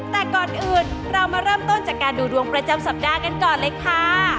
แต่ก่อนอื่นเรามาเริ่มต้นจากการดูดวงประจำสัปดาห์กันก่อนเลยค่ะ